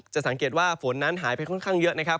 สังเกตว่าฝนนั้นหายไปค่อนข้างเยอะนะครับ